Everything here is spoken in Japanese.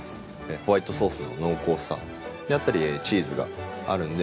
ホワイトソースの濃厚さであったり、チーズがあるんで。